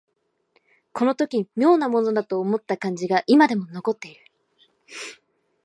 この時妙なものだと思った感じが今でも残っている